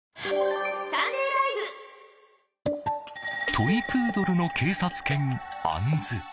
トイプードルの警察犬アンズ。